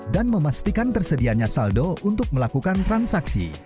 dan memastikan tersedianya saldo untuk melakukan transaksi